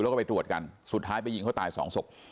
แล้วก็ไปตรวจกันสุดท้ายไปยิงเขาตายสองศพ